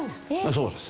そうです。